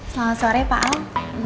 selamat sore pak al